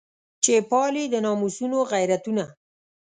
چې پالي د ناموسونو غیرتونه.